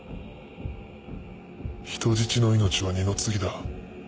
人質の命は二の次だ。